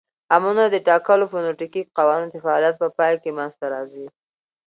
امونونه د ټاکلو فونیټیکښي قوانینو د فعالیت په پای کښي منځ ته راځي.